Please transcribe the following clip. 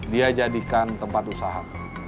dia jadikan tempat usaha